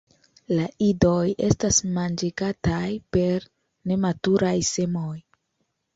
La idoj estas manĝigataj per nematuraj semoj.